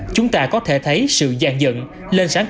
chúng ta có thể thấy sự gian dận